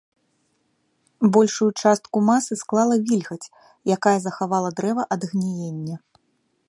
Большую частку масы склала вільгаць, якая захавала дрэва ад гніення.